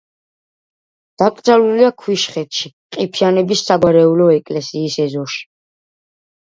დაკრძალულია ქვიშხეთში, ყიფიანების საგვარეულო ეკლესიის ეზოში.